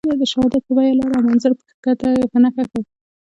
د شهادت په بیه لار او منزل په نښه کړ.